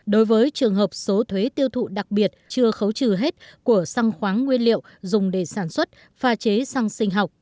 đối với trường hợp số thuế tiêu thụ đặc biệt chưa khấu trừ hết của xăng khoáng nguyên liệu dùng để sản xuất pha chế xăng sinh học